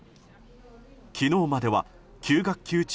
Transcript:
昨日までは９学級中